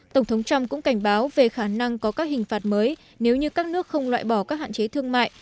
tổng thống trump cũng cảnh báo về khả năng có các hình phạt mới nếu như các nước không loại bỏ các hạn chế thương mại